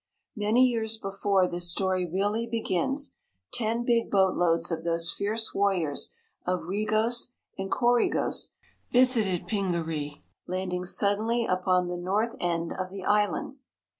Many years before this story really begins, ten big boatloads of those fierce warriors of Regos and Coregos visited Pingaree, landing suddenly upon the north end of the island.